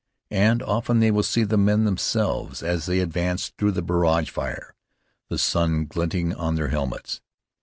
And often they will see the men themselves as they advanced through the barrage fire, the sun glinting on their helmets.